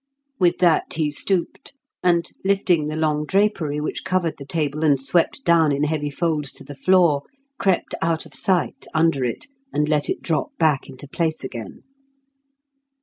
With that he stooped and, lifting the long drapery which covered the table and swept down in heavy folds to the floor, crept out of sight under it, and let it drop back into place again.